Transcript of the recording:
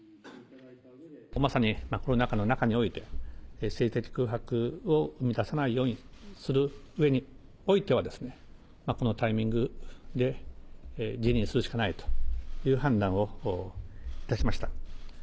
まさにコロナ禍の中において、政治的空白を生み出さないようにする上においては、このタイミングで辞任するしかないという判断をいたしました。